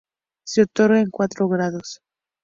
Se otorga en cuatro grados.